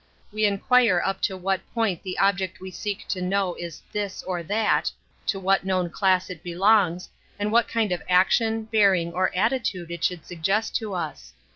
We inquire up to what point the object we seek to know is this or that^ to what known class it belongs, and what kind of action, bearing, or attitude it should suggest to us.